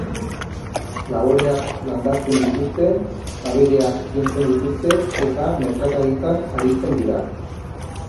Laboreak landatzen dituzte, abereak zaintzen dituzte eta merkataritzan aritzen dira.